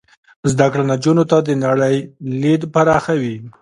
زده کړه نجونو ته د نړۍ لید پراخوي.